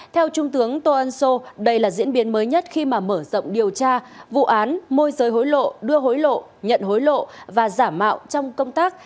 theo trung tướng tô ân sô đây là diễn biến mới nhất khi mà mở rộng điều tra vụ án môi giới hối lộ đưa hối lộ nhận hối lộ và giả mạo trong công tác